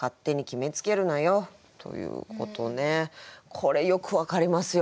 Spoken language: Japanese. これよく分かりますよ。